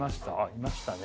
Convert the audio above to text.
いましたね。